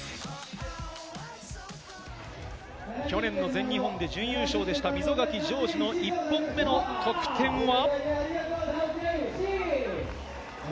去年の全日本で準優勝でした、溝垣丈司の１本目の得点は。